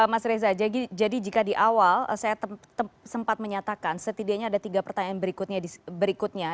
mas reza jadi jika di awal saya sempat menyatakan setidaknya ada tiga pertanyaan berikutnya